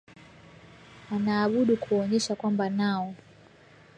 wanaabudu kuonyesha kwamba nao